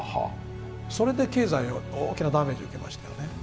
それで経済は大きなダメージを受けましたよね。